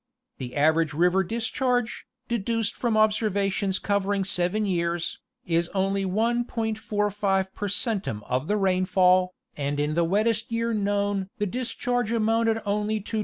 The average river discharge, deduced from observations covering seven years, is only 1.45 per centum of the rainfall, and in the wettest year known the dis charge amounted only to 2.